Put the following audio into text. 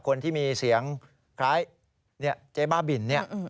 คนที่มีเสียงคล้ายเจ๊บ้าบินเนี่ย